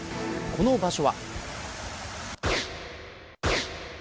この場所は。